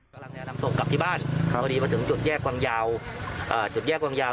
กำลังเนี่ยนำส่งกลับที่บ้านพอดีมาถึงจุดแยกวังยาว